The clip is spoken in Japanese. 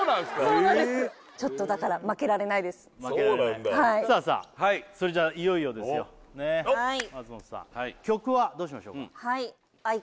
そうなんですちょっと負けられないさあさあはいそれじゃいよいよですよねえはい松本さん曲はどうしましょうか？